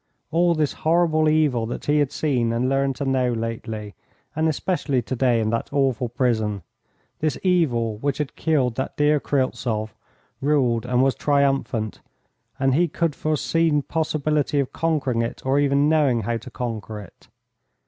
All this horrible evil that he had seen and learned to know lately, and especially to day in that awful prison, this evil, which had killed that dear Kryltzoff, ruled and was triumphant, and he could foreseen possibility of conquering or even knowing how to conquer it.